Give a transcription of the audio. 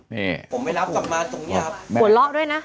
นี่ผมไปรับกลับมาตรงนี้ครับหัวเราะด้วยนะ